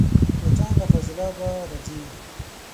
مچان له فاضلابه راځي